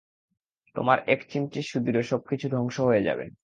তোমার এক চিমটি সিদুরে সবকিছু ধ্বংস হয়ে যাবে।